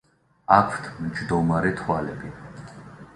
აქვთ მჯდომარე თვალები.